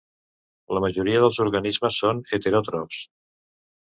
La majoria dels organismes són heteròtrofs.